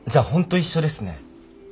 一緒です。